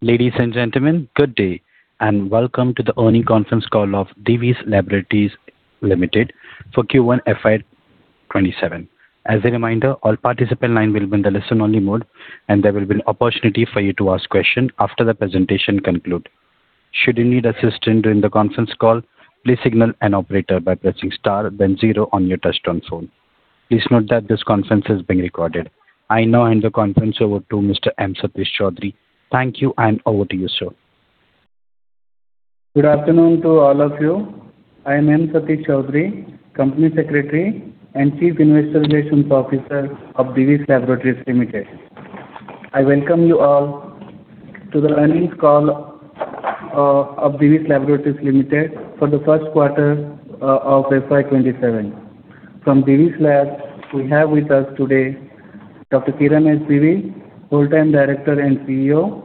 Ladies and gentlemen, good day, welcome to the earnings conference call of Divi's Laboratories Limited for Q1 FY 2027. As a reminder, all participant lines will be in the listen-only mode, there will be opportunity for you to ask questions after the presentation concludes. Should you need assistance during the conference call, please signal an operator by pressing star then zero on your touchtone phone. Please note that this conference is being recorded. I now hand the conference over to Mr. M. Satish Choudhury. Thank you, over to you, sir. Good afternoon to all of you. I am M. Satish Choudhury, Company Secretary and Chief Investor Relations Officer of Divi's Laboratories Limited. I welcome you all to the earnings call of Divi's Laboratories Limited for the first quarter of FY 2027. From Divi's Lab, we have with us today Dr. Kiran S. Divi, Whole-Time Director and CEO;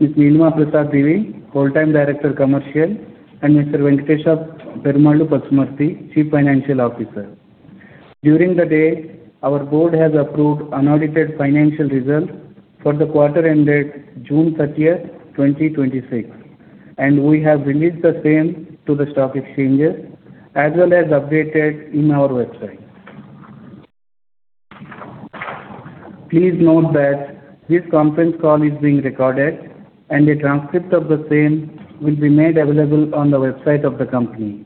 Ms. Nilima Prasad Divi, Whole-Time Director, Commercial. Mr. Venkatesa Perumallu Pasumarthy, Chief Financial Officer. During the day, our board has approved unaudited financial results for the quarter-ended June 30, 2026, we have released the same to the stock exchanges, as well as updated in our website. Please note that this conference call is being recorded, a transcript of the same will be made available on the website of the company.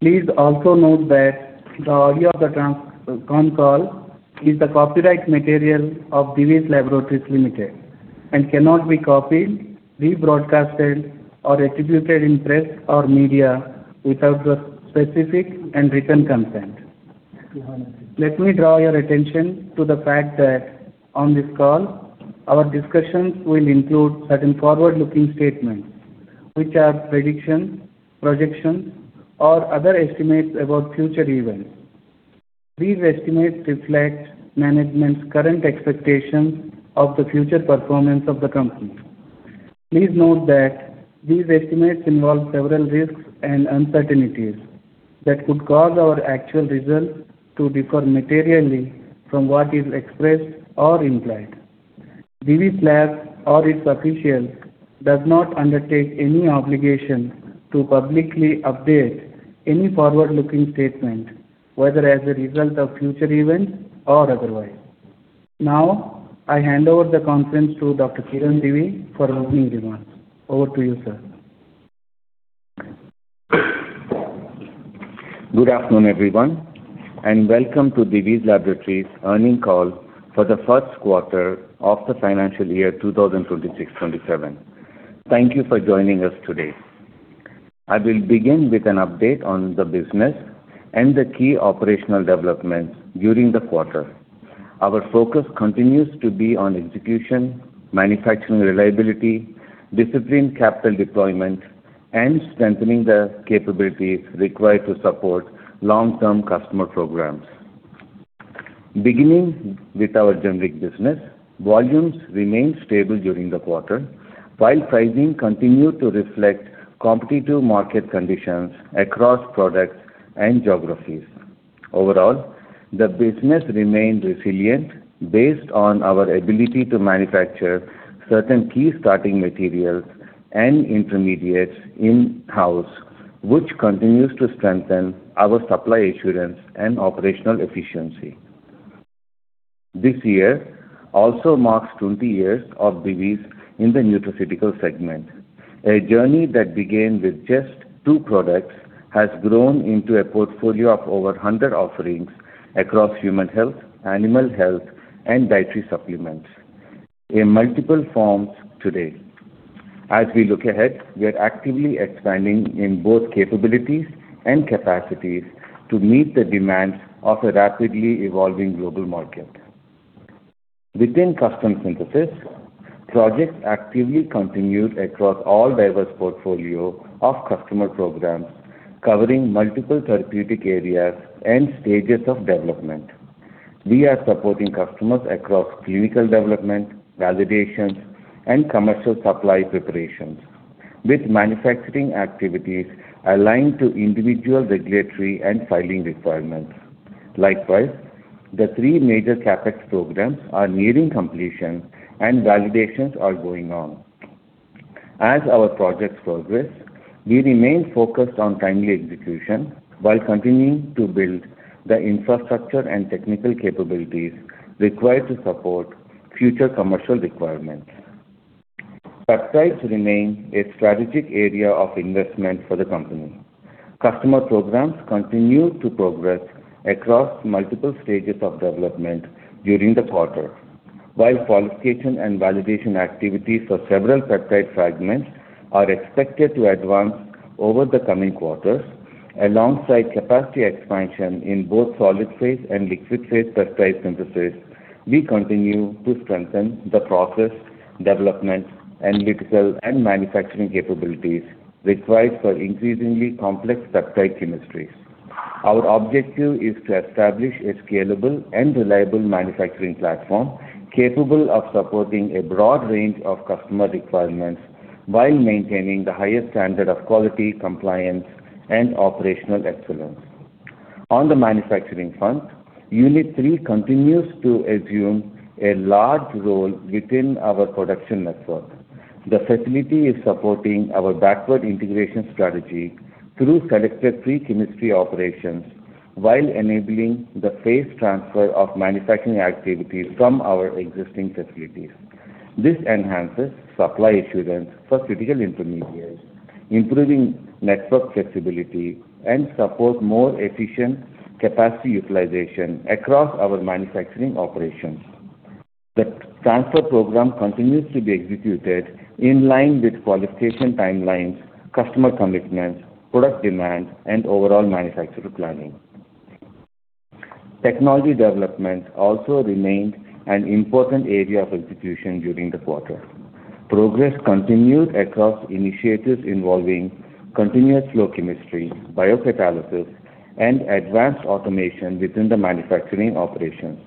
Please also note that the audio of the con call is the copyright material of Divi's Laboratories Limited cannot be copied, rebroadcasted, or attributed in press or media without the specific and written consent. Let me draw your attention to the fact that on this call, our discussions will include certain forward-looking statements, which are predictions, projections, or other estimates about future events. These estimates reflect management's current expectations of the future performance of the company. Please note that these estimates involve several risks and uncertainties that could cause our actual results to differ materially from what is expressed or implied. Divi's Lab or its officials does not undertake any obligation to publicly update any forward-looking statement, whether as a result of future events or otherwise. I hand over the conference to Dr. Kiran Divi for opening remarks. Over to you, sir. Good afternoon, everyone, welcome to Divi's Laboratories earnings call for the first quarter of the financial year 2026-2027. Thank you for joining us today. I will begin with an update on the business the key operational developments during the quarter. Our focus continues to be on execution, manufacturing reliability, disciplined capital deployment, strengthening the capabilities required to support long-term customer programs. Beginning with our generic business, volumes remained stable during the quarter while pricing continued to reflect competitive market conditions across products and geographies. Overall, the business remained resilient based on our ability to manufacture certain key starting materials and intermediates in-house, which continues to strengthen our supply assurance and operational efficiency. This year also marks 20 years of Divi's in the nutraceutical segment. A journey that began with just two products has grown into a portfolio of over 100 offerings across human health, animal health, and dietary supplements in multiple forms today. As we look ahead, we are actively expanding in both capabilities and capacities to meet the demands of a rapidly evolving global market. Within custom synthesis, projects actively continued across all diverse portfolio of customer programs covering multiple therapeutic areas and stages of development. We are supporting customers across clinical development, validations, and commercial supply preparations with manufacturing activities aligned to individual regulatory and filing requirements. Likewise, the three major CapEx programs are nearing completion and validations are going on. As our projects progress, we remain focused on timely execution while continuing to build the infrastructure and technical capabilities required to support future commercial requirements. Peptides remain a strategic area of investment for the company. Customer programs continued to progress across multiple stages of development during the quarter. While qualification and validation activities for several peptide fragments are expected to advance over the coming quarters, alongside capacity expansion in both solid-phase and liquid-phase peptide synthesis, we continue to strengthen the process development, analytical, and manufacturing capabilities required for increasingly complex peptide chemistries. Our objective is to establish a scalable and reliable manufacturing platform capable of supporting a broad range of customer requirements while maintaining the highest standard of quality, compliance, and operational excellence. On the manufacturing front, Unit 3 continues to assume a large role within our production network. The facility is supporting our backward integration strategy through selected free chemistry operations while enabling the phase transfer of manufacturing activities from our existing facilities. This enhances supply assurance for critical intermediaries, improving network flexibility, and supports more efficient capacity utilization across our manufacturing operations. The transfer program continues to be executed in line with qualification timelines, customer commitments, product demand, and overall manufacturing planning. Technology development also remained an important area of execution during the quarter. Progress continued across initiatives involving continuous-flow chemistry, biocatalysis, and advanced automation within the manufacturing operations.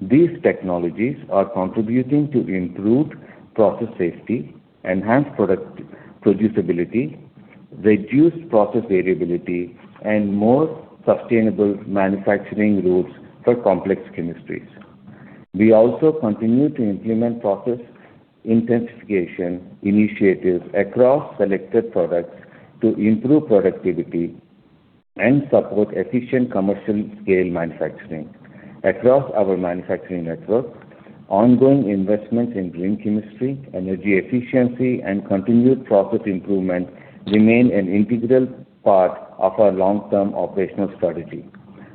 These technologies are contributing to improved process safety, enhanced product producibility, reduced process variability, and more sustainable manufacturing routes for complex chemistries. We also continue to implement process intensification initiatives across selected products to improve productivity and support efficient commercial-scale manufacturing. Across our manufacturing network, ongoing investments in green chemistry, energy efficiency, and continued process improvement remain an integral part of our long-term operational strategy.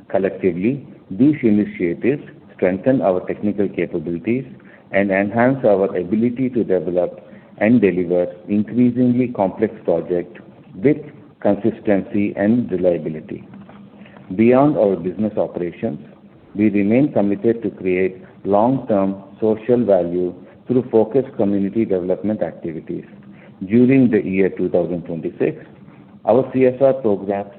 Collectively, these initiatives strengthen our technical capabilities and enhance our ability to develop and deliver increasingly complex projects with consistency and reliability. Beyond our business operations, we remain committed to create long-term social value through focused community development activities. During the year 2026, our CSR programs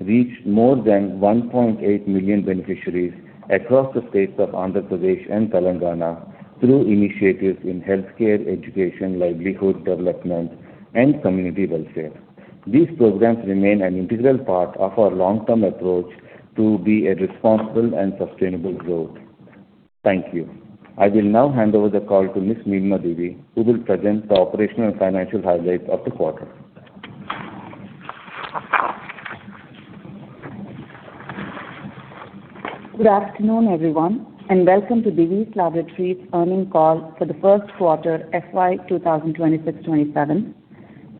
reached more than 1.8 million beneficiaries across the states of Andhra Pradesh and Telangana through initiatives in healthcare, education, livelihood development, and community welfare. These programs remain an integral part of our long-term approach to be a responsible and sustainable growth. Thank you. I will now hand over the call to Ms. Nilima Divi, who will present the operational and financial highlights of the quarter. Good afternoon, everyone. Welcome to Divi’s Laboratories earnings call for the first quarter, FY 2026-2027.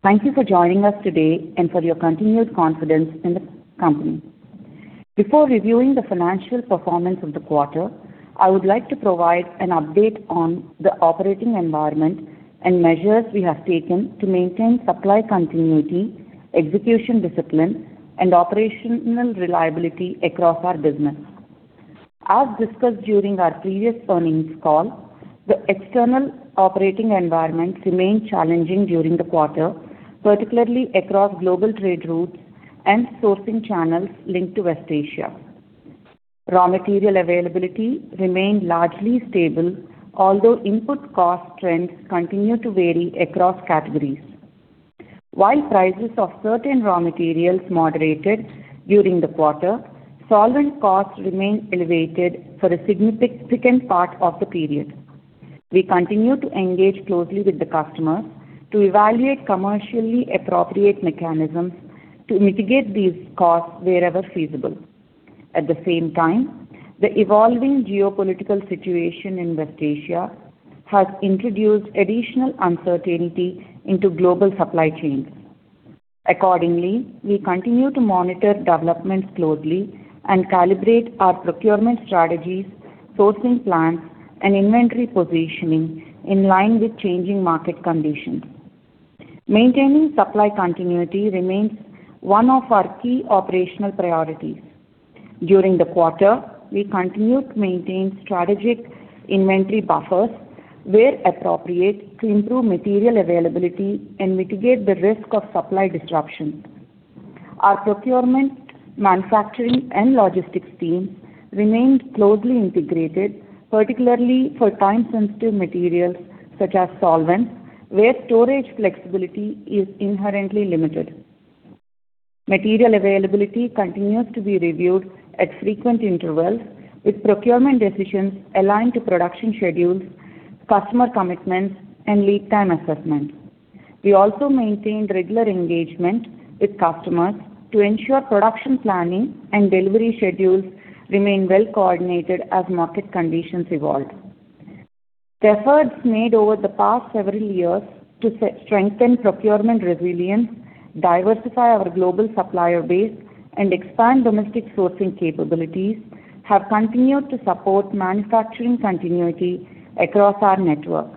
Thank you for joining us today and for your continued confidence in the company. Before reviewing the financial performance of the quarter, I would like to provide an update on the operating environment and measures we have taken to maintain supply continuity, execution discipline, and operational reliability across our business. As discussed during our previous earnings call, the external operating environment remained challenging during the quarter, particularly across global trade routes and sourcing channels linked to West Asia. Raw material availability remained largely stable, although input cost trends continue to vary across categories. While prices of certain raw materials moderated during the quarter, solvent costs remained elevated for a significant part of the period. We continue to engage closely with the customers to evaluate commercially appropriate mechanisms to mitigate these costs wherever feasible. At the same time, the evolving geopolitical situation in West Asia has introduced additional uncertainty into global supply chains. Accordingly, we continue to monitor developments closely and calibrate our procurement strategies, sourcing plans, and inventory positioning in line with changing market conditions. Maintaining supply continuity remains one of our key operational priorities. During the quarter, we continued to maintain strategic inventory buffers where appropriate to improve material availability and mitigate the risk of supply disruption. Our procurement, manufacturing, and logistics teams remained closely integrated, particularly for time-sensitive materials such as solvents, where storage flexibility is inherently limited. Material availability continues to be reviewed at frequent intervals, with procurement decisions aligned to production schedules, customer commitments, and lead time assessments. We also maintained regular engagement with customers to ensure production planning and delivery schedules remain well coordinated as market conditions evolved. The efforts made over the past several years to strengthen procurement resilience, diversify our global supplier base, and expand domestic sourcing capabilities have continued to support manufacturing continuity across our network.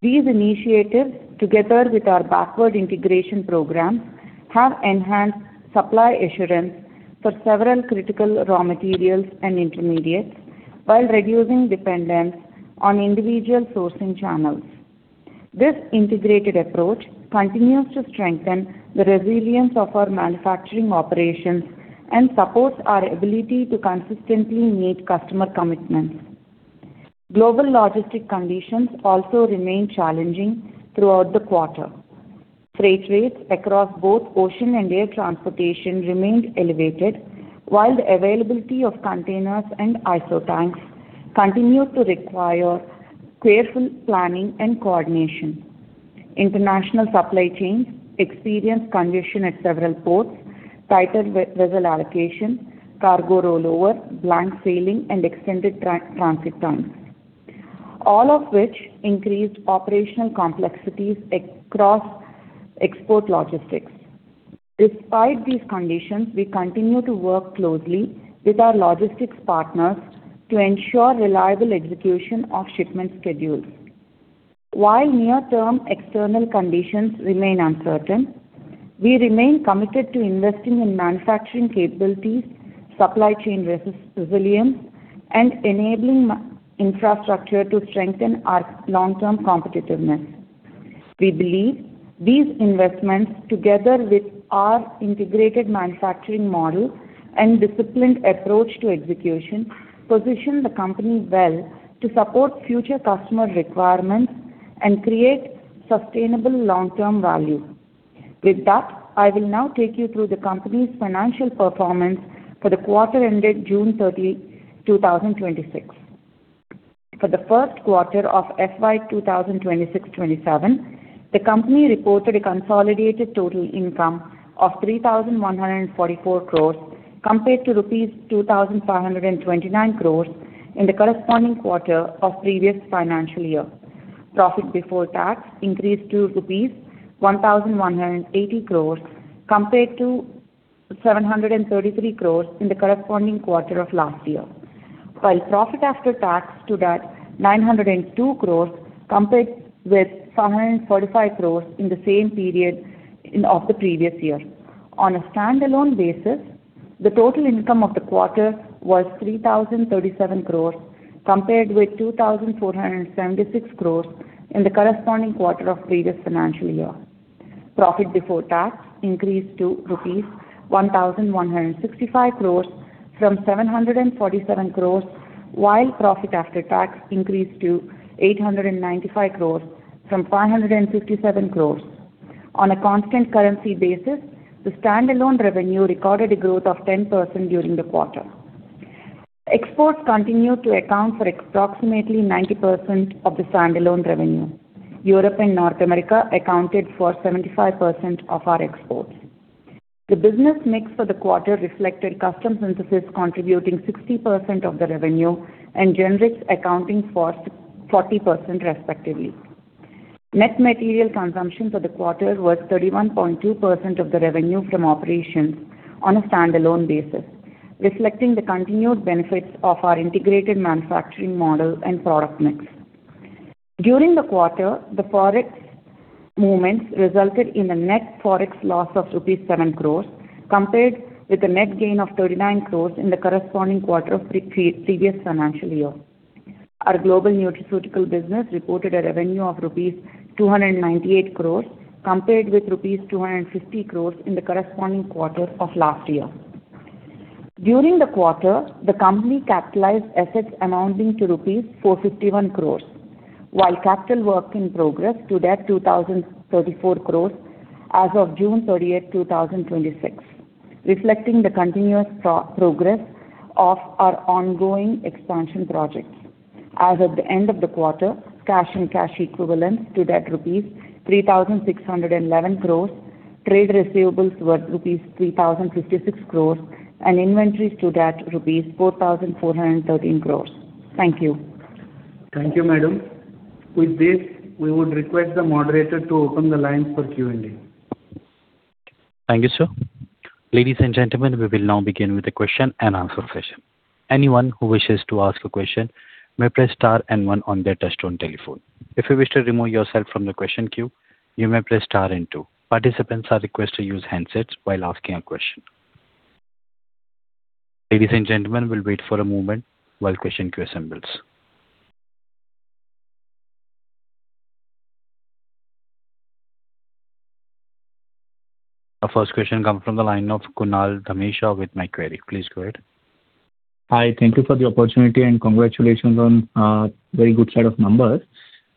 These initiatives, together with our backward integration programs, have enhanced supply assurance for several critical raw materials and intermediates while reducing dependence on individual sourcing channels. This integrated approach continues to strengthen the resilience of our manufacturing operations and supports our ability to consistently meet customer commitments. Global logistics conditions also remained challenging throughout the quarter. Freight rates across both ocean and air transportation remained elevated, while the availability of containers and ISO tanks continued to require careful planning and coordination. International supply chains experienced congestion at several ports, tighter vessel allocations, cargo rollover, blank sailing, and extended transit times, all of which increased operational complexities across export logistics. I will now take you through the company's financial performance for the quarter ended June 30, 2026. For the first quarter of FY 2026-2027, the company reported a consolidated total income of 3,144 crores compared to rupees 2,529 crores in the corresponding quarter of previous financial year. Profit before tax increased to rupees 1,180 crores compared to 733 crores in the corresponding quarter of last year. While profit after tax stood at 902 crores, compared with 545 crores in the same period of the previous year. On a standalone basis, the total income of the quarter was 3,037 crores, compared with 2,476 crores in the corresponding quarter of previous financial year. Profit before tax increased to rupees 1,165 crores from 747 crores, while profit after tax increased to 895 crores from 557 crores. On a constant currency basis, the standalone revenue recorded a growth of 10% during the quarter. Exports continued to account for approximately 90% of the standalone revenue. Europe and North America accounted for 75% of our exports. The business mix for the quarter reflected custom synthesis contributing 60% of the revenue and generics accounting for 40%, respectively. Net material consumption for the quarter was 31.2% of the revenue from operations on a standalone basis, reflecting the continued benefits of our integrated manufacturing model and product mix. During the quarter, the Forex movements resulted in a net Forex loss of rupees 7 crores compared with a net gain of 39 crores in the corresponding quarter of the previous financial year. Our global nutraceutical business reported a revenue of rupees 298 crores, compared with rupees 250 crores in the corresponding quarter of last year. During the quarter, the company capitalized assets amounting to rupees 451 crores, while capital work in progress stood at 2,034 crores as of June 30th, 2026, reflecting the continuous progress of our ongoing expansion projects. As of the end of the quarter, cash and cash equivalents stood at rupees 3,611 crores. Trade receivables were rupees 3,056 crores, and inventories stood at rupees 4,413 crores. Thank you. Thank you, madam. With this, we would request the moderator to open the line for Q&A. Thank you, sir. Ladies and gentlemen, we will now begin with the question-and-answer session. Anyone who wishes to ask a question may press star and one on their touchtone telephone. If you wish to remove yourself from the question queue, you may press star and two. Participants are requested to use handsets while asking a question. Ladies and gentlemen, we will wait for a moment while question queue assembles. Our first question comes from the line of Kunal Dhamesha with Macquarie. Please go ahead. Hi. Thank you for the opportunity and congratulations on a very good set of numbers.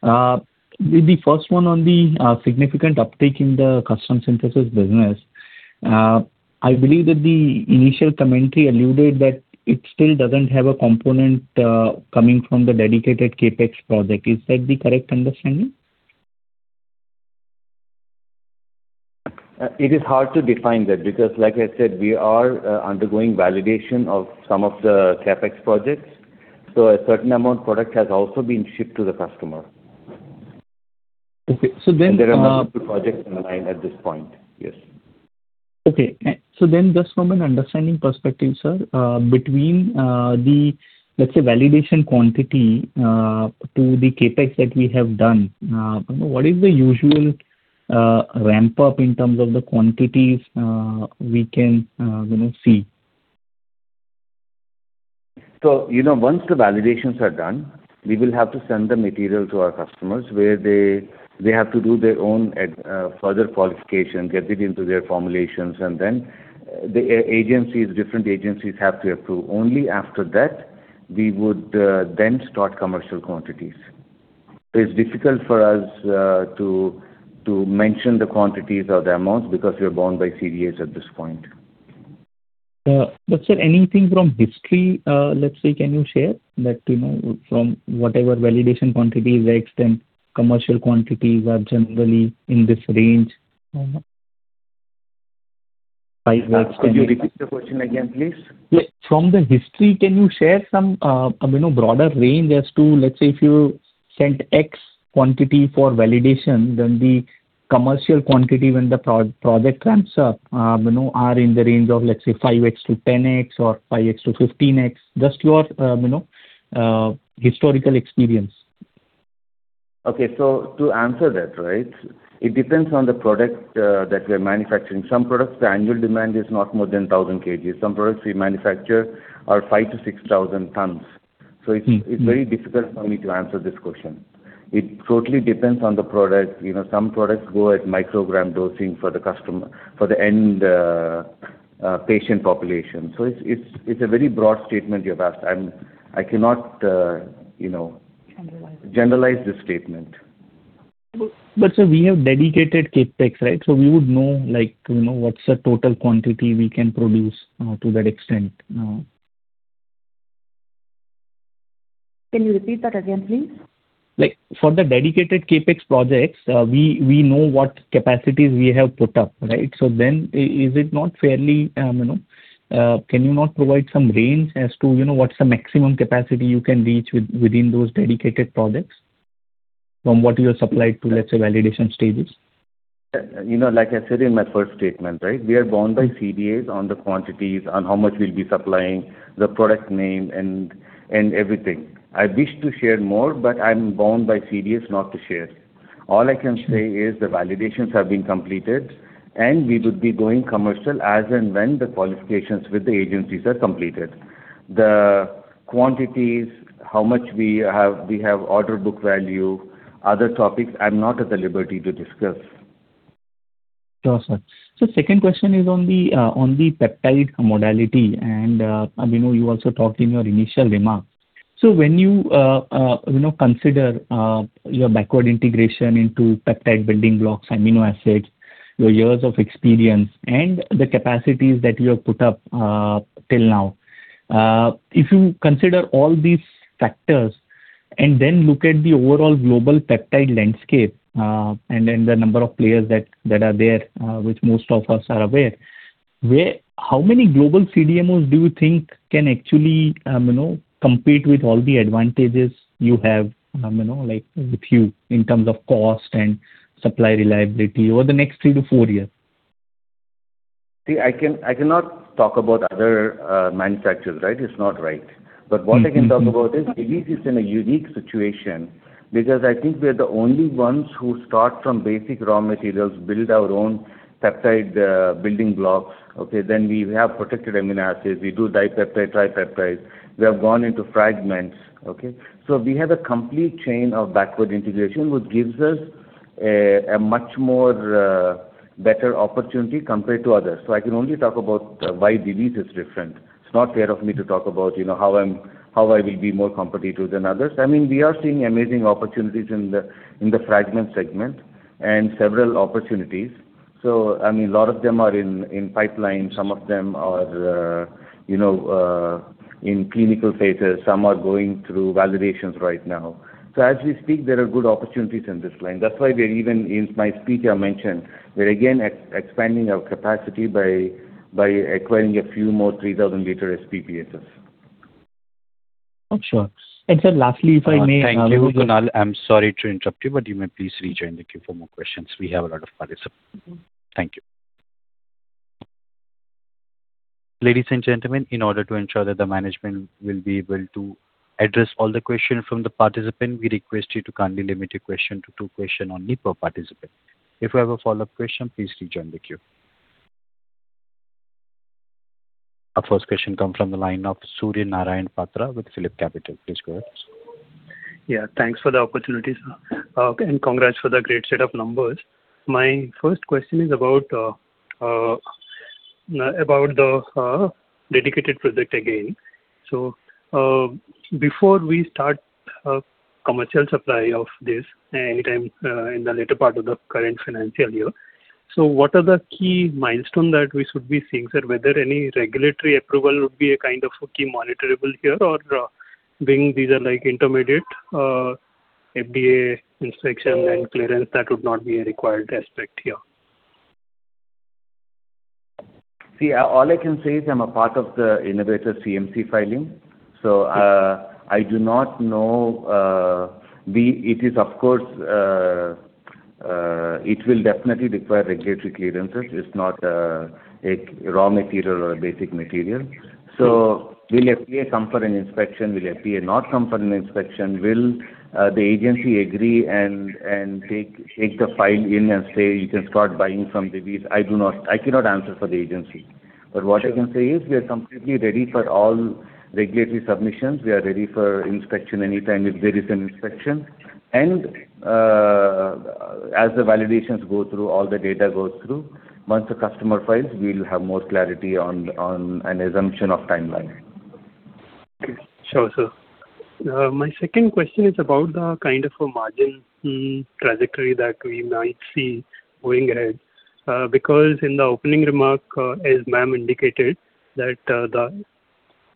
With the first one on the significant uptick in the custom synthesis business, I believe that the initial commentary alluded that it still doesn't have a component coming from the dedicated CapEx project. Is that the correct understanding? It is hard to define that because like I said, we are undergoing validation of some of the CapEx projects, so a certain amount of product has also been shipped to the customer. Okay. There are multiple projects in line at this point. Yes. Okay. Just from an understanding perspective, sir, between the, let's say, validation quantity to the CapEx that we have done, what is the usual ramp-up in terms of the quantities we can see? Once the validations are done, we will have to send the material to our customers where they have to do their own further qualification, get it into their formulations. The different agencies have to approve. Only after that, we would then start commercial quantities. It's difficult for us to mention the quantities or the amounts because we are bound by CDMOs at this point. Sir, anything from history, let's say, can you share that from whatever validation quantity is X, commercial quantities are generally in this range? Could you repeat the question again, please? Yes. From the history, can you share some broader range as to, let's say, if you sent X quantity for validation, then the commercial quantity when the project ramps up are in the range of, let's say, 5X to 10X or 5X to 15X? Just your historical experience. Okay. To answer that, it depends on the product that we're manufacturing. Some products, the annual demand is not more than 1,000 kgs. Some products we manufacture are 5,000 to 6,000 tons. It's very difficult for me to answer this question. It totally depends on the product. Some products go at microgram dosing for the end patient population. It's a very broad statement you have asked, and I cannot. Generalize generalize this statement. Sir, we have dedicated CapEx, right? We would know what's the total quantity we can produce to that extent. Can you repeat that again, please? For the dedicated CapEx projects, we know what capacities we have put up, right? Can you not provide some range as to what's the maximum capacity you can reach within those dedicated projects from what you have supplied to, let's say, validation stages? Like I said in my first statement, we are bound by CDMOs on the quantities, on how much we'll be supplying, the product name, and everything. I wish to share more, but I'm bound by CDMOs not to share. All I can say is the validations have been completed, and we would be going commercial as and when the qualifications with the agencies are completed. The quantities, how much we have order book value, other topics, I'm not at the liberty to discuss. Sure, sir. Second question is on the peptide modality, and you also talked in your initial remarks. When you consider your backward integration into peptide building blocks, amino acids, your years of experience, and the capacities that you have put up till now. If you consider all these factors and then look at the overall global peptide landscape, and then the number of players that are there, which most of us are aware, how many global CDMOs do you think can actually compete with all the advantages you have with you in terms of cost and supply reliability over the next three to four years? I cannot talk about other manufacturers. It's not right. What I can talk about is Divi's is in a unique situation because I think we are the only ones who start from basic raw materials, build our own peptide building blocks. Okay. We have protected amino acids. We do dipeptide, tripeptides. We have gone into fragments. Okay. We have a complete chain of backward integration, which gives us a much more better opportunity compared to others. I can only talk about why Divi's is different. It's not fair of me to talk about how I will be more competitive than others. We are seeing amazing opportunities in the fragment segment and several opportunities. A lot of them are in pipeline. Some of them are in clinical phases. Some are going through validations right now. As we speak, there are good opportunities in this line. That's why in my speech I mentioned we're again expanding our capacity by acquiring a few more 3,000-liter SPPSs. Sure. Sir, lastly, if I may- Thank you, Kunal. I'm sorry to interrupt you may please rejoin the queue for more questions. We have a lot of participants. Thank you. Ladies and gentlemen, in order to ensure that the management will be able to address all the questions from the participants, we request you to kindly limit your question to two questions only per participant. If you have a follow-up question, please rejoin the queue. Our first question comes from the line of Surya Narayan Patra with PhillipCapital. Please go ahead, sir. Thanks for the opportunity, sir, and congrats for the great set of numbers. My first question is about the dedicated project again. Before we start commercial supply of this anytime in the later part of the current financial year, what are the key milestones that we should be seeing, sir? Whether any regulatory approval would be a kind of key monitorable here, or being these are intermediate FDA inspection and clearance, that would not be a required aspect here. All I can say is I'm a part of the innovator CMC filing. I do not know. It will definitely require regulatory clearances. It's not a raw material or a basic material. Will FDA come for an inspection? Will FDA not come for an inspection? Will the agency agree and take the file in and say, "You can start buying from Divi’s"? I cannot answer for the agency. What I can say is we are completely ready for all regulatory submissions. We are ready for inspection anytime if there is an inspection. As the validations go through, all the data goes through, once the customer files, we'll have more clarity on an assumption of timeline. Sure, sir. My second question is about the kind of a margin trajectory that we might see going ahead. In the opening remark, as ma'am indicated, that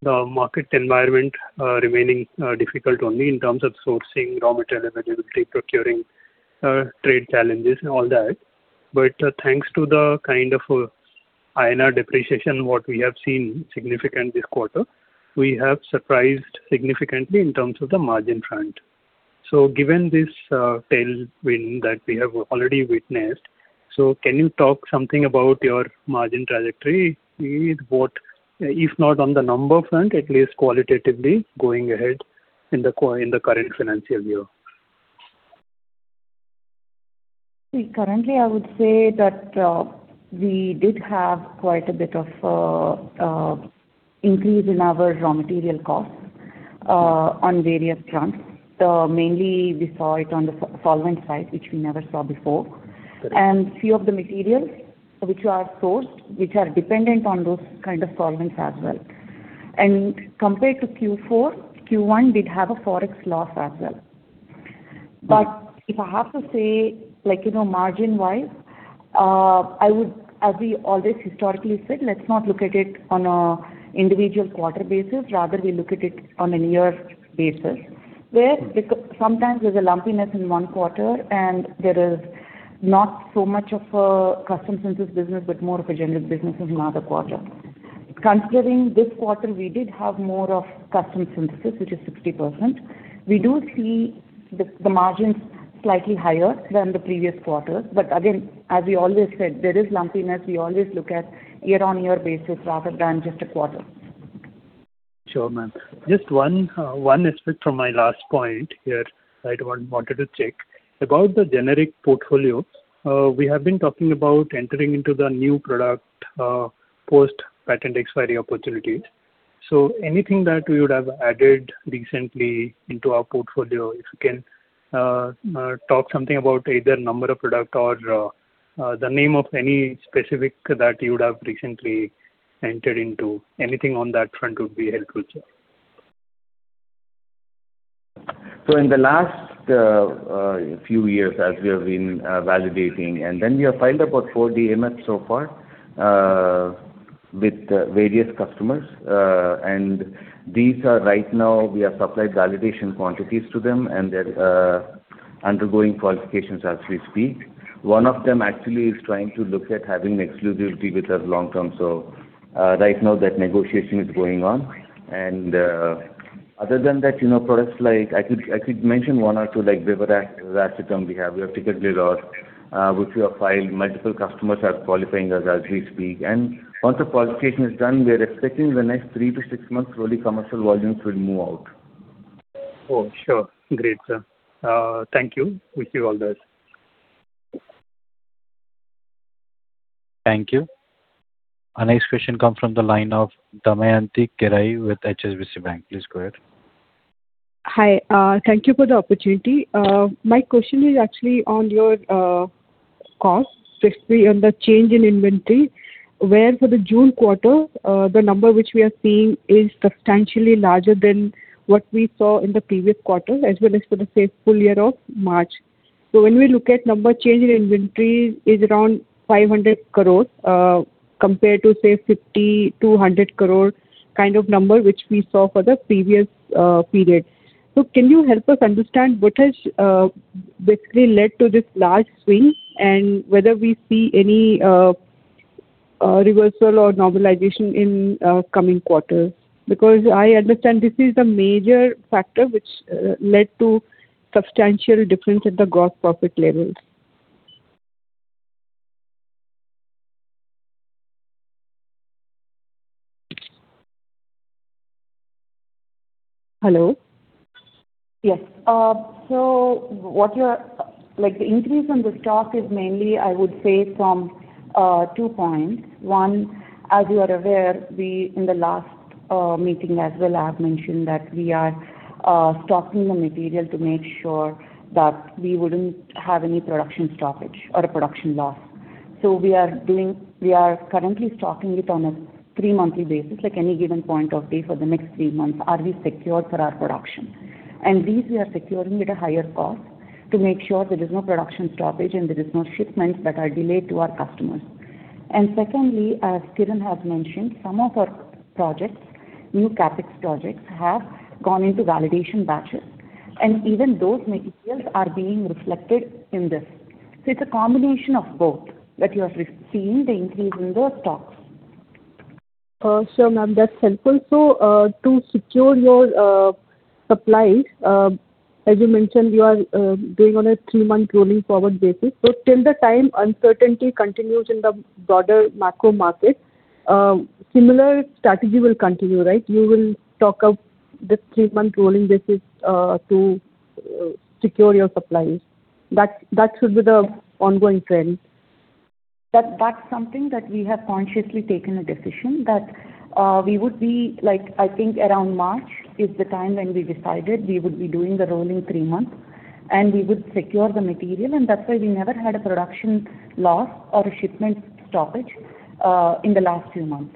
the market environment remaining difficult only in terms of sourcing raw material and energy procuring, trade challenges and all that. Thanks to the kind of INR depreciation, what we have seen significant this quarter, we have surprised significantly in terms of the margin front. Given this tailwind that we have already witnessed, so can you talk something about your margin trajectory? If not on the number front, at least qualitatively going ahead in the current financial year. Currently, I would say that we did have quite a bit of increase in our raw material costs on various fronts. Mainly we saw it on the solvent side, which we never saw before. Got it. Few of the materials which are sourced, which are dependent on those kind of solvents as well. Compared to Q4, Q1 did have a Forex loss as well. If I have to say margin-wise, as we always historically said, let's not look at it on an individual quarter basis, rather we look at it on a year basis. Where sometimes there's a lumpiness in one quarter and there is not so much of a custom synthesis business, but more of a generic business in another quarter. Considering this quarter, we did have more of custom synthesis, which is 60%. We do see the margins slightly higher than the previous quarter. Again, as we always said, there is lumpiness. We always look at year on year basis rather than just a quarter. Sure, ma'am. Just one aspect from my last point here I wanted to check. About the generic portfolio, we have been talking about entering into the new product, post-patent expiry opportunities. Anything that you would have added recently into our portfolio, if you can talk something about either number of product or the name of any specific that you would have recently entered into. Anything on that front would be helpful, sir. In the last few years, as we have been validating, then we have filed about 4 DMFs so far with various customers. These are right now, we have supplied validation quantities to them, and they're undergoing qualifications as we speak. One of them actually is trying to look at having exclusivity with us long-term. Right now, that negotiation is going on. Other than that, products like, I could mention one or two like Viverac, racetam we have. We have ticagrelor, which we have filed. Multiple customers are qualifying us as we speak. Once the qualification is done, we are expecting the next three to six months, really commercial volumes will move out. Oh, sure. Great, sir. Thank you. Wish you all the best. Thank you. Our next question come from the line of Damayanti Kerai with HSBC Bank. Please go ahead. Hi. Thank you for the opportunity. My question is actually on your costs, specifically on the change in inventory. Where for the June quarter, the number which we are seeing is substantially larger than what we saw in the previous quarter, as well as for the full year of March. When we look at number change in inventory is around 500 crore, compared to, say, 50 crore-200 crore kind of number, which we saw for the previous period. Can you help us understand what has basically led to this large swing and whether we see any reversal or normalization in coming quarters? Because I understand this is the major factor which led to substantial difference at the gross profit levels. Hello? Yes. The increase in the stock is mainly, I would say, from two points. One, as you are aware, we in the last meeting as well have mentioned that we are stocking the material to make sure that we wouldn't have any production stoppage or a production loss. We are currently stocking it on a three-monthly basis, like any given point of day for the next three months, are we secure for our production. These we are securing at a higher cost to make sure there is no production stoppage and there is no shipments that are delayed to our customers. Secondly, as Kiran has mentioned, some of our projects, new CapEx projects, have gone into validation batches, and even those materials are being reflected in this. It's a combination of both that you have seen the increase in the stocks. Sure, ma'am, that's helpful. To secure your supplies, as you mentioned, you are going on a three-month rolling forward basis. Till the time uncertainty continues in the broader macro market, similar strategy will continue, right? You will stock up this three-month rolling basis to secure your supplies. That should be the ongoing trend. That's something that we have consciously taken a decision that we would be, I think around March is the time when we decided we would be doing the rolling three months. We would secure the material, and that's why we never had a production loss or a shipment stoppage in the last few months.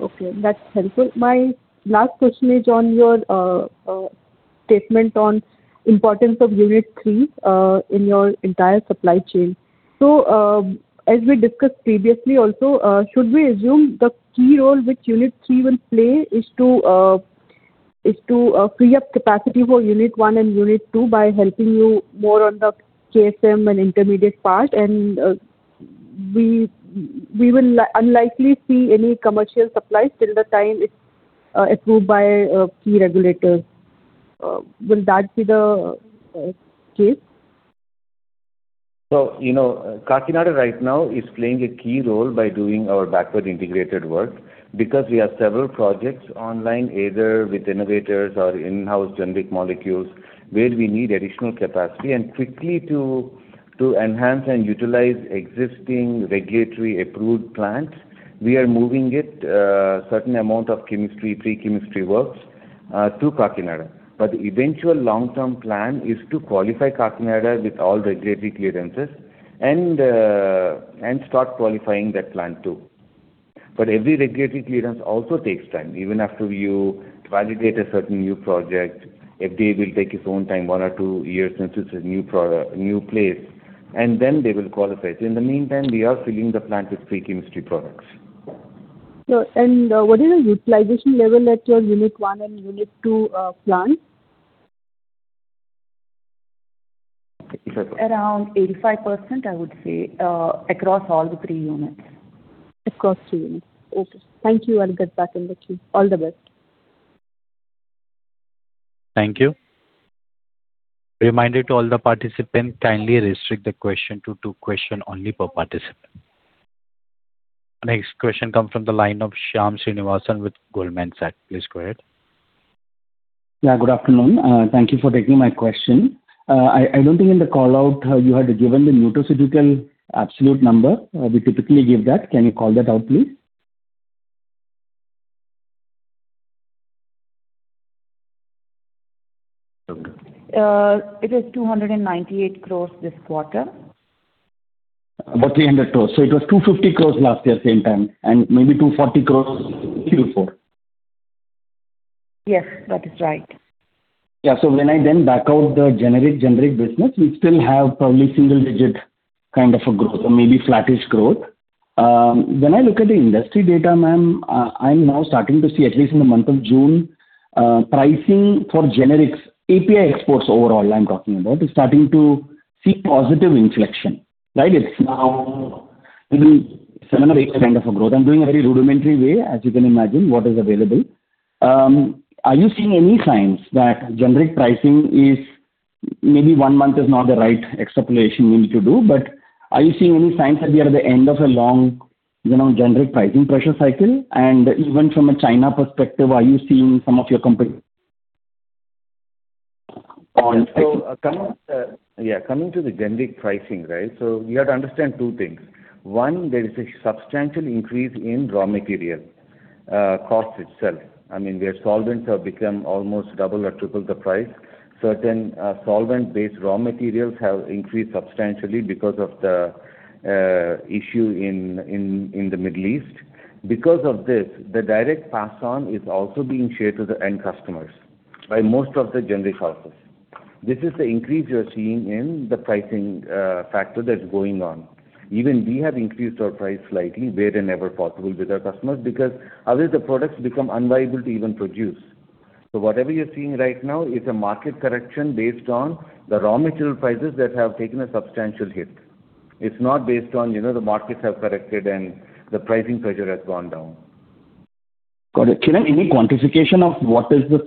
Okay, that's helpful. My last question is on your statement on importance of unit three in your entire supply chain. As we discussed previously also, should we assume the key role which unit three will play is to free up capacity for unit one and unit two by helping you more on the KSM and intermediate part, and we will unlikely see any commercial supply till the time it's approved by key regulators. Will that be the case? Kakinada right now is playing a key role by doing our backward integrated work because we have several projects online, either with innovators or in-house generic molecules, where we need additional capacity. Quickly to enhance and utilize existing regulatory approved plants, we are moving it, a certain amount of pre-chemistry works, to Kakinada. The eventual long-term plan is to qualify Kakinada with all regulatory clearances and start qualifying that plant too. Every regulatory clearance also takes time. Even after you validate a certain new project, FDA will take its own time, one or two years, since it's a new place, and then they will qualify it. In the meantime, we are filling the plant with pre-chemistry products. Sir, what is the utilization level at your unit one and unit two plants? Okay. Around 85%, I would say, across all the three units. Across three units. Okay. Thank you. I'll get back in touch. All the best. Thank you. Reminder to all the participants, kindly restrict the question to two questions only per participant. Next question come from the line of Shyam Srinivasan with Goldman Sachs. Please go ahead. Yeah, good afternoon. Thank you for taking my question. I don't think in the call out you had given the Nutraceutical absolute number. We typically give that. Can you call that out, please? Okay. It is 298 crores this quarter. About 300 crores. It was 250 crores last year same time, and maybe 240 crores Q4. Yes, that is right. When I then back out the generic business, we still have probably single-digit kind of a growth or maybe flattish growth. When I look at the industry data, ma'am, I'm now starting to see, at least in the month of June, pricing for generics, API exports overall, I'm talking about, is starting to see positive inflection, right? It's now maybe seven or eight kind of a growth. I'm doing a very rudimentary way, as you can imagine, what is available. Are you seeing any signs that generic pricing is Maybe one month is not the right extrapolation means to do, but are you seeing any signs that we are at the end of a long generic pricing pressure cycle? Even from a China perspective, are you seeing some of your Coming to the generic pricing, right? You have to understand two things. One, there is a substantial increase in raw material cost itself. I mean, their solvents have become almost double or triple the price. Certain solvent-based raw materials have increased substantially because of the issue in the Middle East. Because of this, the direct pass on is also being shared to the end customers by most of the generic houses. This is the increase you're seeing in the pricing factor that's going on. Even we have increased our price slightly where and ever possible with our customers, because otherwise the products become unviable to even produce. Whatever you're seeing right now is a market correction based on the raw material prices that have taken a substantial hit. It's not based on the markets have corrected and the pricing pressure has gone down. Got it. Kiran, any quantification of what is the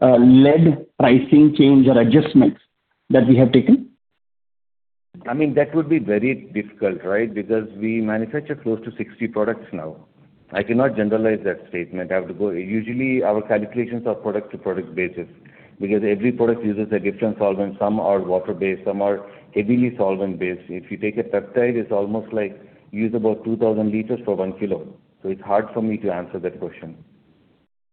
solvent-led pricing change or adjustments that we have taken? That would be very difficult, right? We manufacture close to 60 products now. I cannot generalize that statement. Usually, our calculations are product to product basis because every product uses a different solvent. Some are water-based, some are heavily solvent-based. If you take a peptide, it's almost like you use about 2,000 liters for one kilo. It's hard for me to answer that question.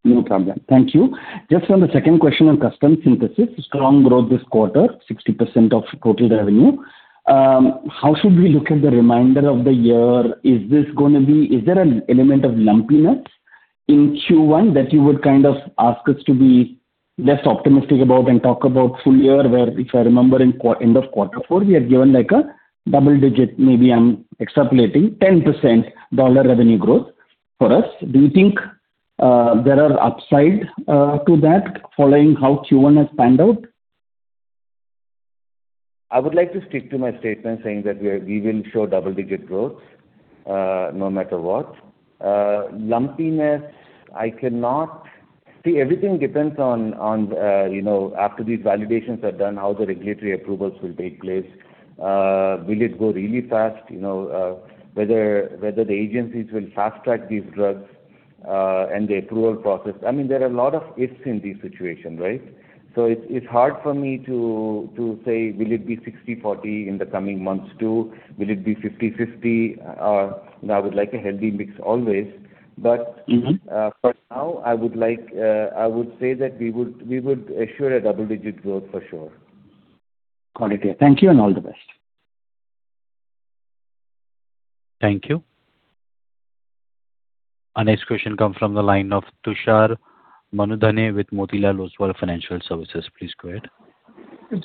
No problem. Thank you. Just on the second question on custom synthesis. Strong growth this quarter, 60% of total revenue. How should we look at the remainder of the year? Is there an element of lumpiness in Q1 that you would kind of ask us to be less optimistic about and talk about full year where, if I remember in end of Quarter four, we had given like a double digit, maybe I'm extrapolating, 10% $ revenue growth for us. Do you think there are upside to that following how Q1 has panned out? I would like to stick to my statement saying that we will show double-digit growth no matter what. Lumpiness, I cannot. See, everything depends on after these validations are done, how the regulatory approvals will take place. Will it go really fast? Whether the agencies will fast-track these drugs and the approval process. There are a lot of ifs in this situation, right? It's hard for me to say will it be 60/40 in the coming months too? Will it be 50/50? I would like a healthy mix always. for now, I would say that we would assure a double-digit growth for sure. Got it. Yeah. Thank you. All the best. Thank you. Our next question comes from the line of Tushar Manudhane with Motilal Oswal Financial Services. Please go ahead.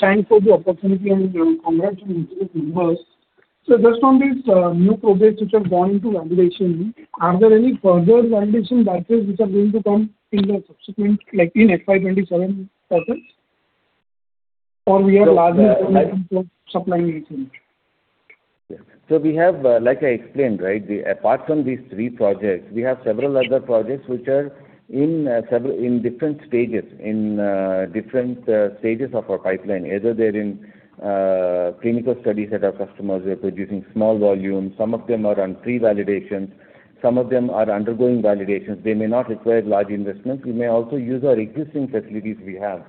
Thanks for the opportunity. Congrats on the good numbers. Just on these new projects which have gone to validation, are there any further validation batches which are going to come in the subsequent, like in FY 2027 quarters? We are largely going to supplying these things. We have, like I explained, apart from these three projects, we have several other projects which are in different stages of our pipeline. Either they're in clinical studies at our customers, they're producing small volumes. Some of them are on pre-validation. Some of them are undergoing validations. They may not require large investments. We may also use our existing facilities we have.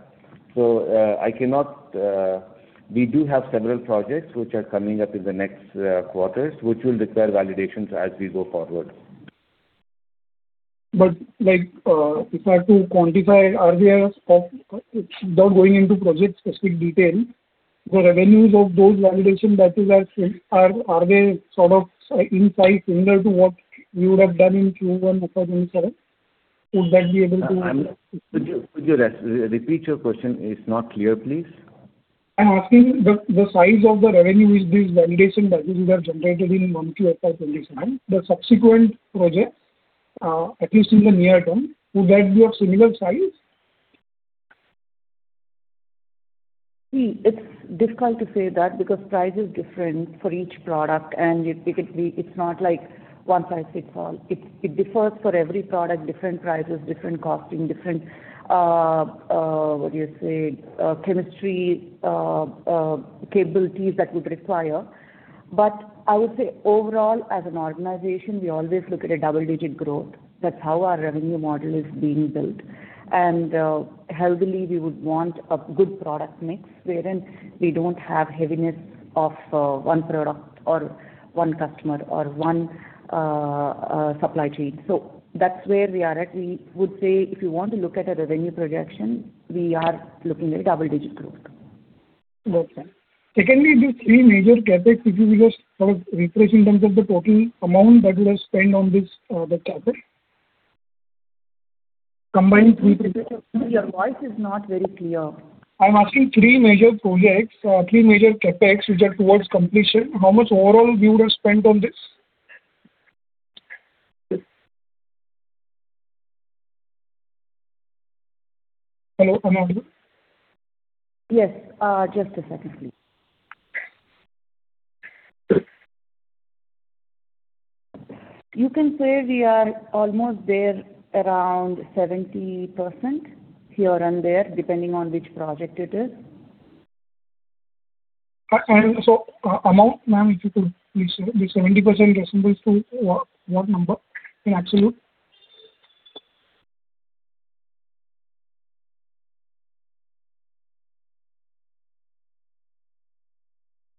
We do have several projects which are coming up in the next quarters, which will require validations as we go forward. If I have to quantify, without going into project-specific detail, the revenues of those validation batches, are they sort of in size similar to what you would have done in Q1 FY 2027? Would that be able to- Could you repeat your question? It's not clear, please. I'm asking the size of the revenue which these validation batches have generated in non-Q FY 2027, the subsequent projects, at least in the near term, would that be of similar size? See, it's difficult to say that because price is different for each product, and it's not like one size fits all. It differs for every product, different prices, different costing, different, what do you say, chemistry capabilities that would require. I would say overall, as an organization, we always look at a double-digit growth. That's how our revenue model is being built. Healthily, we would want a good product mix wherein we don't have heaviness of one product or one customer or one supply chain. That's where we are at. We would say, if you want to look at a revenue projection, we are looking at double-digit growth. Got it, ma'am. Secondly, these three major CapEx, could you just sort of refresh in terms of the total amount that you have spent on the CapEx? Sir, your voice is not very clear. I'm asking three major projects, three major CapEx, which are towards completion. How much overall you would have spent on this? Hello? Am I audible? Yes. Just a second, please. You can say we are almost there, around 70%, here and there, depending on which project it is. If you could, please. The 70% resembles to what number in absolute?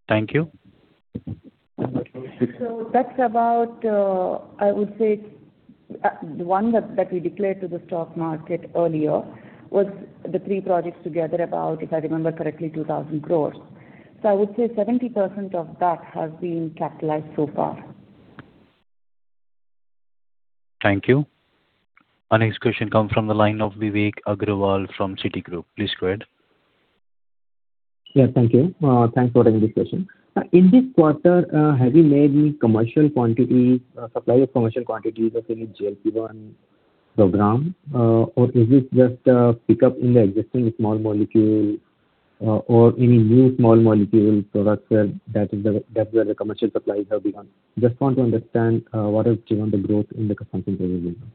Thank you. That's about, I would say, the one that we declared to the stock market earlier was the three projects together about, if I remember correctly, 2,000 crores. I would say 70% of that has been capitalized so far. Thank you. Our next question comes from the line of Vivek Agrawal from Citigroup. Please go ahead. Yeah, thank you. Thanks for taking this question. In this quarter, have you made any commercial quantities, supply of commercial quantities of any GLP-1 program? Is this just a pickup in the existing small molecule or any new small molecule products where commercial supplies have begun? Just want to understand what has driven the growth in the custom synthesis business.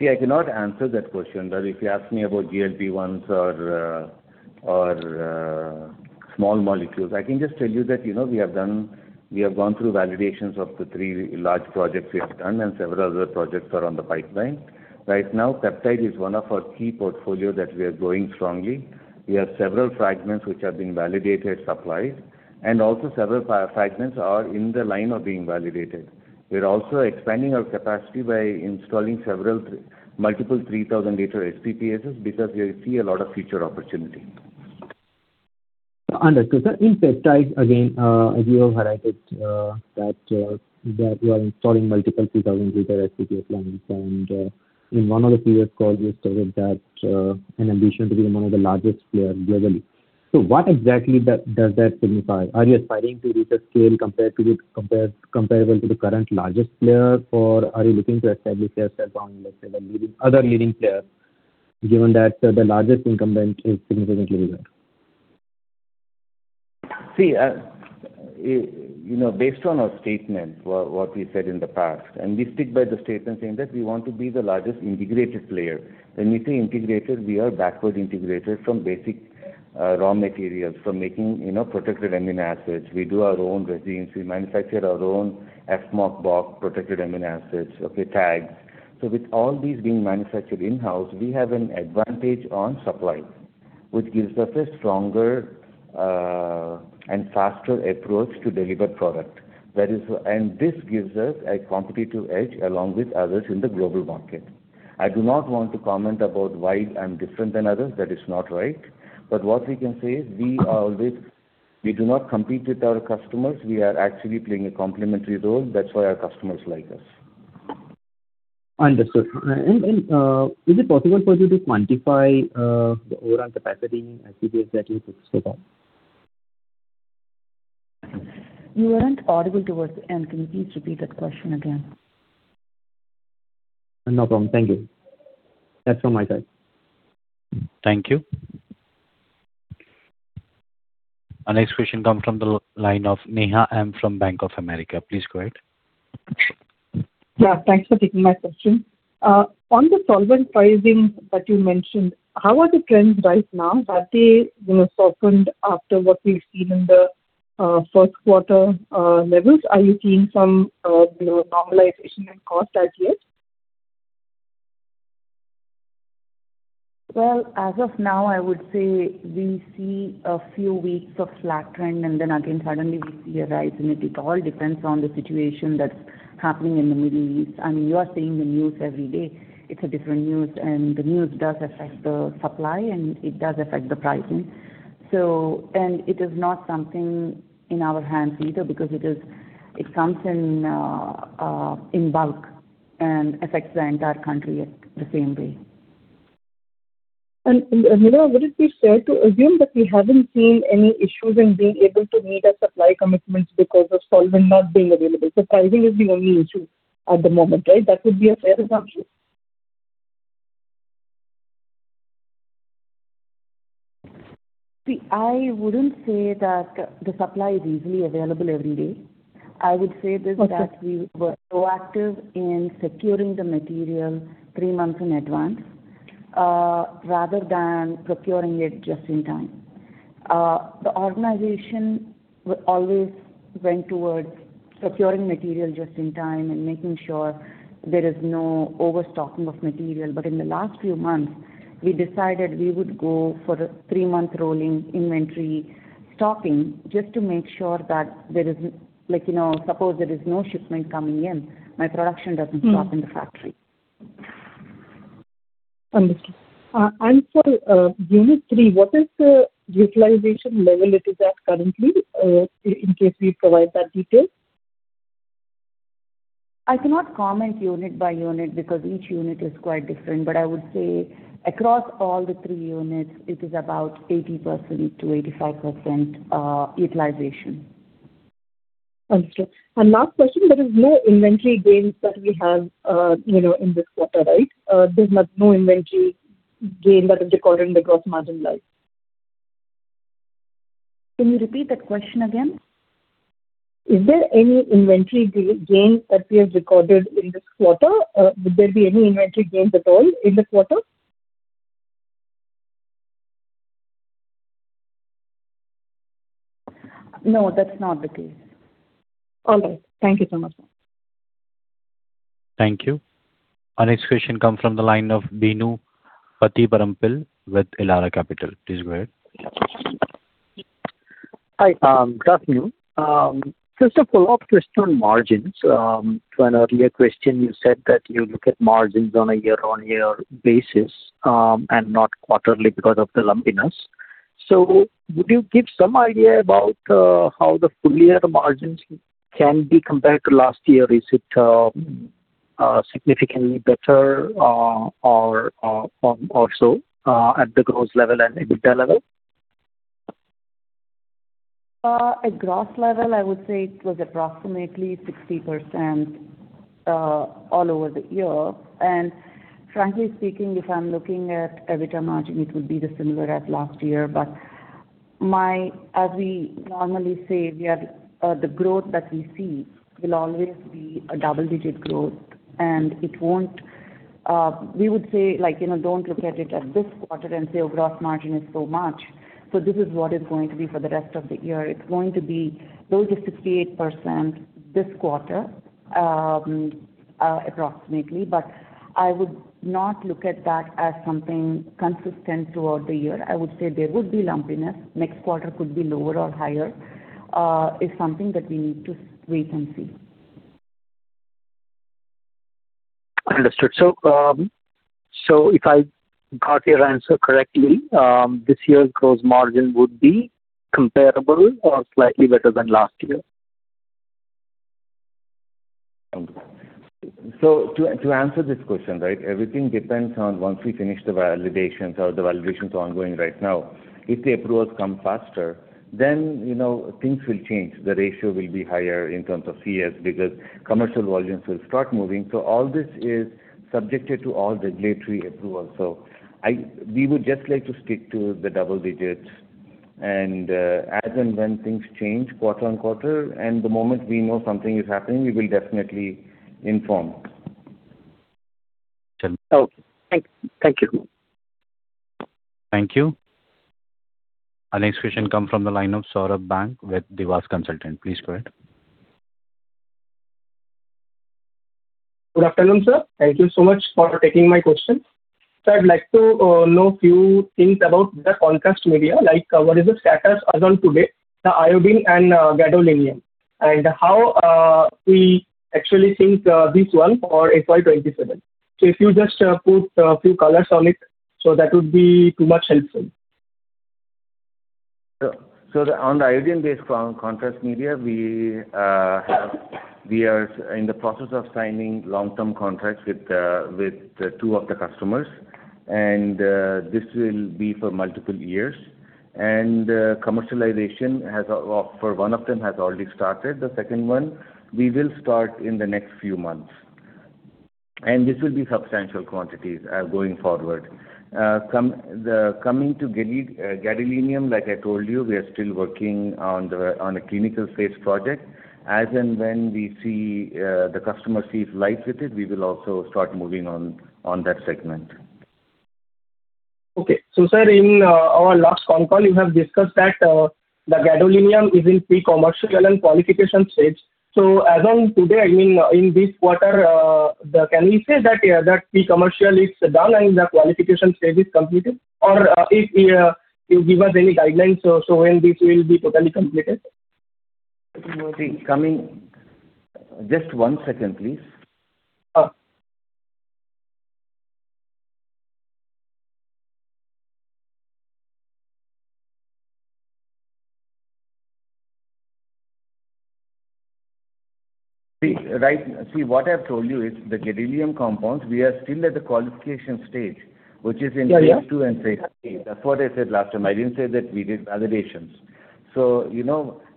See, I cannot answer that question. If you ask me about GLP-1s or small molecules, I can just tell you that we have gone through validations of the three large projects we have done, and several other projects are on the pipeline. Right now, peptide is one of our key portfolio that we are growing strongly. We have several fragments which have been validated, supplied, and also several fragments are in the line of being validated. We are also expanding our capacity by installing multiple 3,000-liter SPPs because we see a lot of future opportunity. Understood, sir. In peptides, again, as you have highlighted that you are installing multiple 3,000-liter SPP plans and in one of the previous calls you stated that an ambition to be one of the largest players globally. What exactly does that signify? Are you aspiring to reach a scale comparable to the current largest player, or are you looking to establish yourself on, let's say, the other leading player, given that the largest incumbent is significantly bigger? Based on our statement, what we said in the past, we stick by the statement saying that we want to be the largest integrated player. When we say integrated, we are backward integrated from basic raw materials, from making protected amino acids. We do our own resins. We manufacture our own Fmoc-Boc protected amino acids. Okay, thanks. With all these being manufactured in-house, we have an advantage on supply. Which gives us a stronger and faster approach to deliver product. This gives us a competitive edge along with others in the global market. I do not want to comment about why I'm different than others. That is not right. What we can say is we do not compete with our customers. We are actually playing a complementary role. That's why our customers like us. Understood. Is it possible for you to quantify the overall capacity as it is that you about? You weren't audible towards the end. Can you please repeat that question again? No problem. Thank you. That's from my side. Thank you. Our next question comes from the line of Neha from Bank of America. Please go ahead. Yeah. Thanks for taking my question. On the solvent pricing that you mentioned, how are the trends right now that they softened after what we've seen in the first quarter levels? Are you seeing some normalization in cost as yet? Well, as of now, I would say we see a few weeks of flat trend, and then again, suddenly we see a rise in it. It all depends on the situation that's happening in the Middle East. You are seeing the news every day, it's a different news, and the news does affect the supply, and it does affect the pricing. It is not something in our hands either because it comes in bulk and affects the entire country the same way. Would it be fair to assume that we haven't seen any issues in being able to meet our supply commitments because of solvent not being available? Pricing is the only issue at the moment, right? That would be a fair assumption. See, I wouldn't say that the supply is easily available every day. I would say. Okay that we were proactive in securing the material three months in advance, rather than procuring it just in time. The organization always went towards procuring material just in time and making sure there is no overstocking of material. In the last few months, we decided we would go for the three-month rolling inventory stocking just to make sure that suppose there is no shipment coming in, my production doesn't stop in the factory. Understood. For unit 3, what is the utilization level it is at currently, in case we provide that detail? I cannot comment unit by unit because each unit is quite different. I would say across all the 3 units, it is about 80%-85% utilization. Last question, there is no inventory gains that we have in this quarter, right? There's no inventory gain that is recorded in the gross margin line. Can you repeat that question again? Is there any inventory gain that we have recorded in this quarter? Would there be any inventory gains at all in this quarter? No, that's not the case. All right. Thank you so much. Thank you. Our next question comes from the line of Bino Pathiparampil with Elara Capital. Please go ahead. Hi. Good afternoon. First of all, a question on margins. To an earlier question, you said that you look at margins on a year-over-year basis, not quarterly because of the lumpiness. Would you give some idea about how the full year margins can be compared to last year? Is it significantly better or so at the gross level and EBITDA level? At gross level, I would say it was approximately 60% all over the year. Frankly speaking, if I'm looking at EBITDA margin, it would be similar as last year. As we normally say, the growth that we see will always be a double-digit growth, we would say, don't look at it at this quarter and say, "Oh, gross margin is so much." This is what it's going to be for the rest of the year. It's going to be close to 68% this quarter approximately, I would not look at that as something consistent throughout the year. I would say there would be lumpiness. Next quarter could be lower or higher. It's something that we need to wait and see. Understood. If I got your answer correctly, this year's gross margin would be comparable or slightly better than last year? To answer this question, everything depends on once we finish the validations, or the validations ongoing right now. If the approvals come faster, then things will change. The ratio will be higher in terms of CS because commercial volumes will start moving. All this is subjected to all regulatory approval. We would just like to stick to the double digits. As and when things change quarter on quarter, and the moment we know something is happening, we will definitely inform. Okay. Thank you. Thank you. Our next question comes from the line of Saurabhan with Devas Consultant. Please go ahead. Good afternoon, sir. Thank you so much for taking my question. Sir, I'd like to know a few things about the contrast media. What is the status as on today, the iodine and gadolinium, and how we actually think this one for FY 2027. If you just put a few colors on it, so that would be too much helpful. On the iodine-based contrast media, we are in the process of signing long-term contracts with two of the customers, and this will be for multiple years. Commercialization, for one of them, has already started. The second one, we will start in the next few months. This will be substantial quantities going forward. Coming to gadolinium, like I told you, we are still working on a clinical phase project. As and when the customer sees light with it, we will also start moving on that segment. Okay. Sir, in our last con call, you have discussed that the gadolinium is in pre-commercial and qualification stage. As on today, in this quarter, can we say that pre-commercial is done and the qualification stage is completed? If you give us any guidelines so when this will be totally completed. Just one second, please. Sure. See, what I've told you is the gadolinium compounds, we are still at the qualification stage- Yeah which is in phase II and phase III. That's what I said last time. I didn't say that we did validations.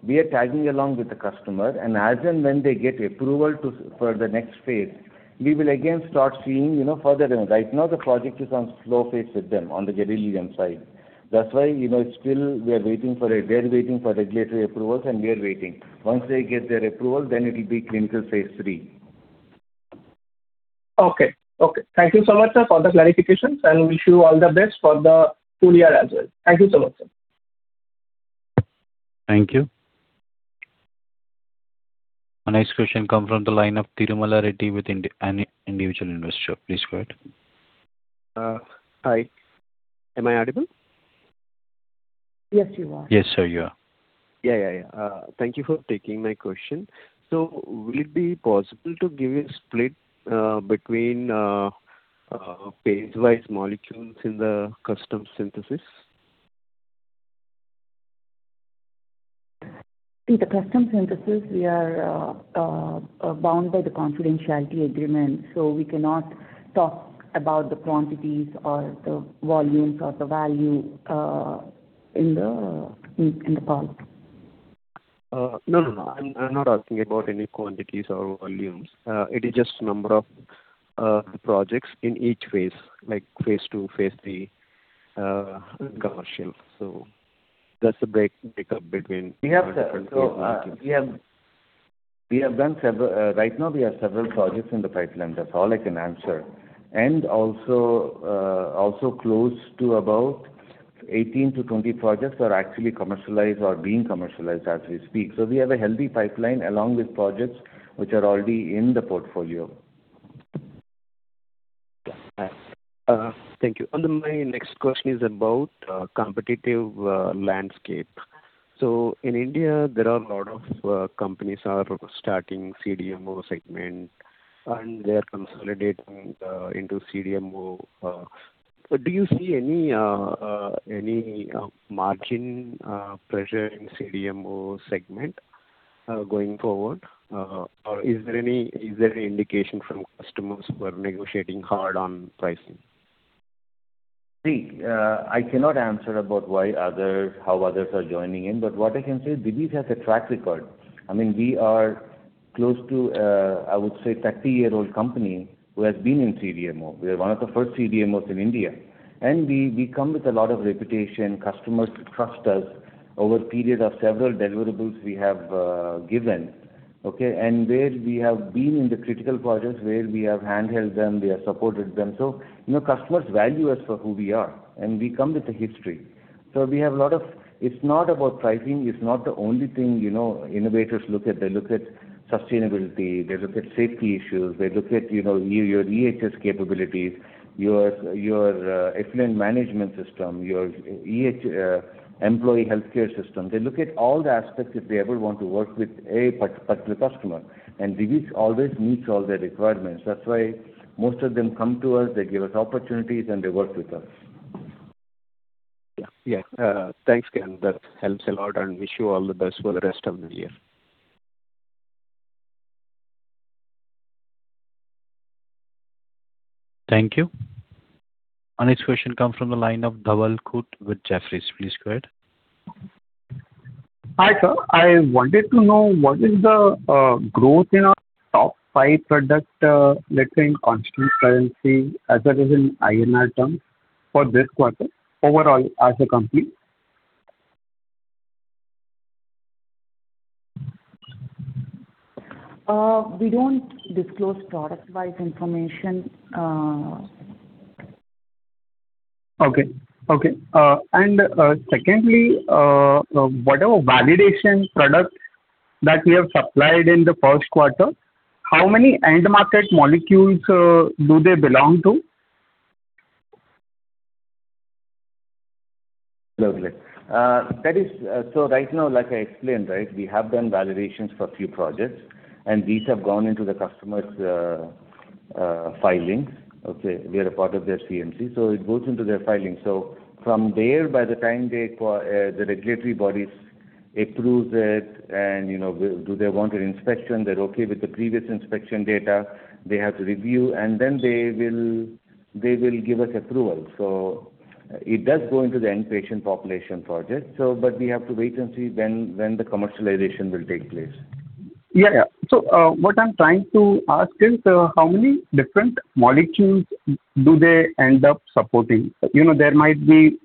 We are tagging along with the customer, and as and when they get approval for the next phase, we will again start seeing further. Right now, the project is on slow phase with them, on the gadolinium side. That's why they're waiting for regulatory approvals, and we are waiting. Once they get their approval, then it'll be clinical phase III. Okay. Thank you so much, sir, for the clarifications. Wish you all the best for the full year as well. Thank you so much, sir. Thank you. Our next question come from the line of Tirumala Reddy with Individual Investor. Please go ahead. Hi. Am I audible? Yes, you are. Yes, sir, you are. Yeah. Thank you for taking my question. Would it be possible to give a split between phase-wise molecules in the custom synthesis? In the custom synthesis, we are bound by the confidentiality agreement, so we cannot talk about the quantities or the volumes or the value in the product. No. I'm not asking about any quantities or volumes. It is just number of projects in each phase, like phase II, phase III, commercial. That's the breakup between- We have- different phase molecules. Right now, we have several projects in the pipeline. That's all I can answer. Close to about 18-20 projects are actually commercialized or being commercialized as we speak. We have a healthy pipeline along with projects which are already in the portfolio. Yeah. Thank you. My next question is about competitive landscape. In India, there are a lot of companies are starting CDMO segment, they're consolidating into CDMO. Do you see any margin pressure in CDMO segment going forward? Is there any indication from customers who are negotiating hard on pricing? I cannot answer about how others are joining in, what I can say, Divi's has a track record. We are close to, I would say, 30-year-old company who has been in CDMO. We are one of the first CDMOs in India, we come with a lot of reputation. Customers trust us over a period of several deliverables we have given. Where we have been in the critical projects, where we have hand-held them, we have supported them. Customers value us for who we are, we come with a history. It's not about pricing; it's not the only thing innovators look at. They look at sustainability, they look at safety issues, they look at your EHS capabilities, your effluent management system, your employee healthcare system. They look at all the aspects if they ever want to work with a particular customer, Divi's always meets all the requirements. That's why most of them come to us, they give us opportunities, they work with us. Yeah. Thanks, again. That helps a lot and wish you all the best for the rest of the year. Thank you. Our next question come from the line of Dhawal Khut with Jefferies. Please go ahead. Hi, sir. I wanted to know what is the growth in our top five product, let's say in constant currency as it is in INR term for this quarter overall as a company. We don't disclose product-wise information. Okay. Secondly, whatever validation product that we have supplied in the first quarter, how many end market molecules do they belong to? Lovely. Right now, like I explained, we have done validations for a few projects, and these have gone into the customer's filings. Okay. We are a part of their CMC; it goes into their filings. From there, by the time the regulatory bodies approve it, do they want an inspection, they're okay with the previous inspection data, they have to review, they will give us approval. It does go into the end patient population project. We have to wait and see when the commercialization will take place. Yeah. What I'm trying to ask is, how many different molecules do they end up supporting? There might be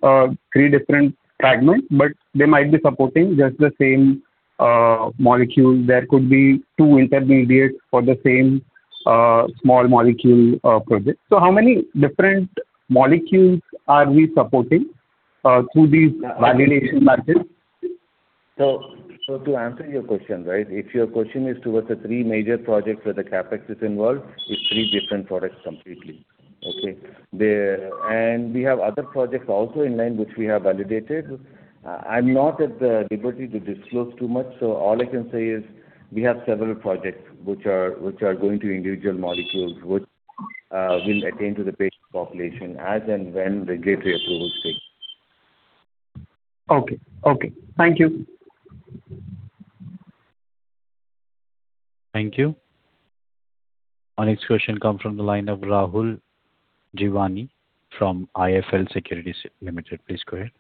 three different fragments, they might be supporting just the same molecule. There could be two intermediates for the same small molecule project. How many different molecules are we supporting through these validation margins? To answer your question. If your question is towards the three major projects where the CapEx is involved, it's three different products completely. Okay. We have other projects also in line, which we have validated. I'm not at the liberty to disclose too much, all I can say is we have several projects which are going through individual molecules, which will attend to the patient population as and when regulatory approvals take place. Okay. Thank you. Thank you. Our next question comes from the line of Rahul Jeewani from IIFL Securities Limited. Please go ahead.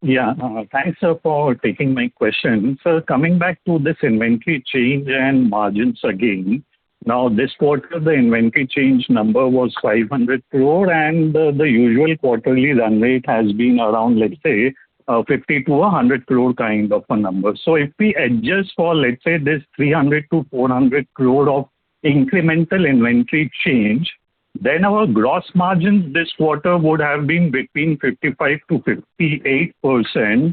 Yeah. Thanks for taking my question. Coming back to this inventory change and margins again. Now, this quarter, the inventory change number was 500 crore and the usual quarterly run rate has been around, let's say, 50-100 crore kind of a number. If we adjust for, let's say, this 300-400 crore of incremental inventory change, then our gross margins this quarter would have been between 55%-58%,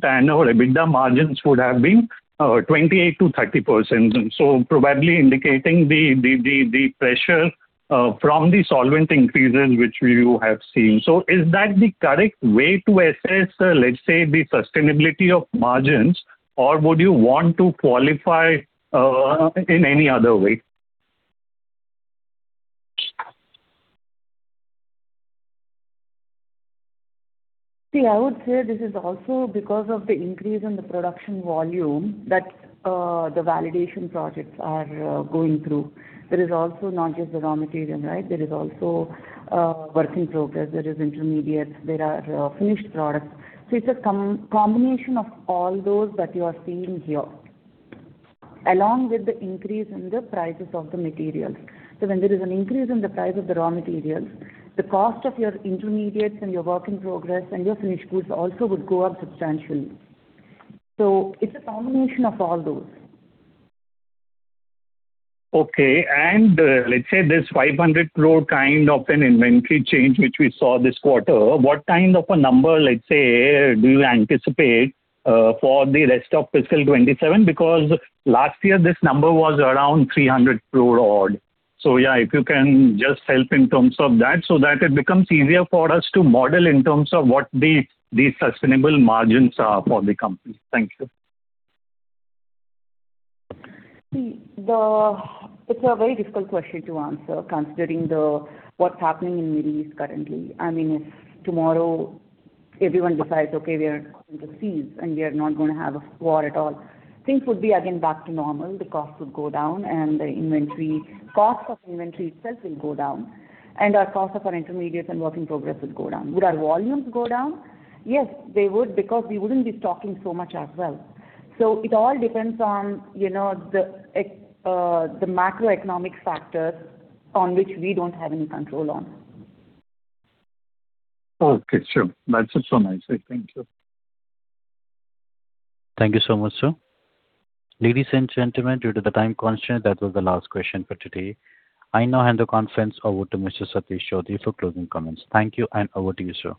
and our EBITDA margins would have been 28%-30%. Probably indicating the pressure from the solvent increases which you have seen. Is that the correct way to assess, let's say, the sustainability of margins, or would you want to qualify in any other way? See, I would say this is also because of the increase in the production volume that the validation projects are going through. There is also not just the raw material. There is also work in progress. There is intermediates. There are finished products. It's a combination of all those that you are seeing here, along with the increase in the prices of the materials. When there is an increase in the price of the raw materials, the cost of your intermediates and your work in progress and your finished goods also would go up substantially. It's a combination of all those. Okay. Let's say this 500 crore kind of an inventory change which we saw this quarter, what kind of a number, let's say, do you anticipate for the rest of fiscal 2027? Because last year this number was around 300 crore odd. Yeah, if you can just help in terms of that so that it becomes easier for us to model in terms of what the sustainable margins are for the company. Thank you. It's a very difficult question to answer considering what's happening in the Middle East currently. If tomorrow everyone decides, okay, we are going to cease and we are not going to have a war at all, things would be again back to normal. The cost would go down, and the cost of inventory itself will go down, and our cost of our intermediates and work in progress would go down. Would our volumes go down? Yes, they would because we wouldn't be stocking so much as well. It all depends on the macroeconomic factors on which we don't have any control on. Okay, sure. That's also nice. Thank you. Thank you so much, sir. Ladies and gentlemen, due to the time constraint, that was the last question for today. I now hand the conference over to Mr. Satish Choudhury for closing comments. Thank you, and over to you, sir.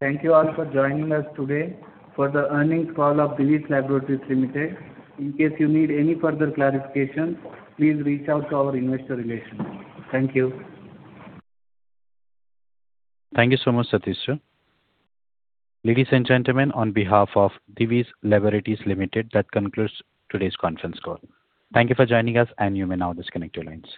Thank you all for joining us today for the earnings call of Divi’s Laboratories Limited. In case you need any further clarification, please reach out to our investor relations. Thank you. Thank you so much, Satish. Ladies and gentlemen, on behalf of Divi’s Laboratories Limited, that concludes today's conference call. Thank you for joining us and you may now disconnect your lines.